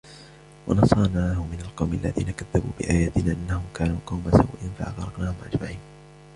وَنَصَرْنَاهُ مِنَ الْقَوْمِ الَّذِينَ كَذَّبُوا بِآيَاتِنَا إِنَّهُمْ كَانُوا قَوْمَ سَوْءٍ فَأَغْرَقْنَاهُمْ أَجْمَعِينَ